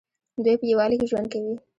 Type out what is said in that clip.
دوی په یووالي کې ژوند کوي.